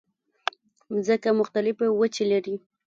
مځکه مختلفې وچې لري.